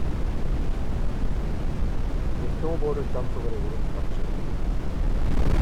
A snowboarder jumps over a wooden structure